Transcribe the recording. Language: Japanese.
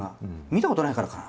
見たことないからかな。